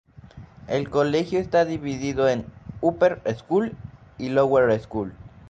El colegio está divido en 'Upper School' y 'Lower School'.